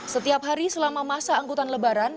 setiap hari selama masa angkutan lebaran